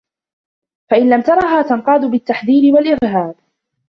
فَإِنْ لَمْ تَرَهَا تَنْقَادُ بِالتَّحْذِيرِ وَالْإِرْهَابِ